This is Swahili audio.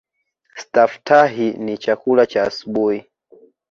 Staftahi ni chakula cha asubuhi.